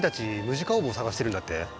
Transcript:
ムジカオーブを捜してるんだって？